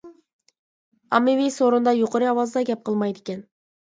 ئاممىۋى سورۇندا يۇقىرى ئاۋازدا گەپ قىلمايدىكەن.